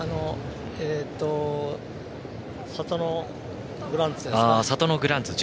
サトノグランツですか。